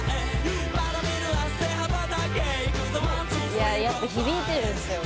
いややっぱ響いてるんすよ